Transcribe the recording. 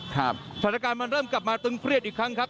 สถานการณ์มันเริ่มกลับมาตึงเครียดอีกครั้งครับ